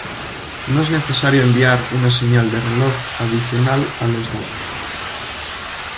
No es necesario enviar una señal de reloj adicional a los datos.